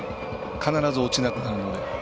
必ず落ちなくなるので。